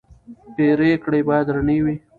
پرېکړې باید رڼې وي